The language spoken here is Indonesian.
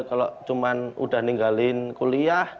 kalau cuma udah ninggalin kuliah